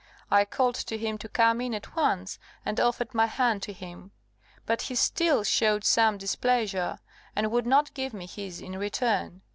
I called to him to come in at once, and offered my hand to him; but he still showed some displeasure, and would not give me his in return.